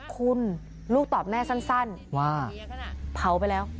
คุณลูกตอบแม่สั้นว่าเผาไปแล้ว